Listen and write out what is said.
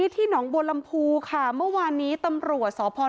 ทีน้องบลำภูค่ะเมื่อวานนี้ตำรวจสอปอล